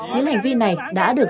những hành vi này đã được xử lý